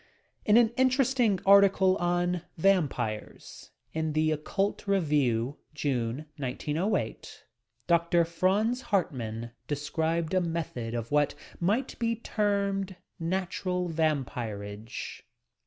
In an interesting article on "Vam pires," in the Occult Review, June, 1908, Dr. Pranz Hartmann described a method of what might be termed natural vampirage.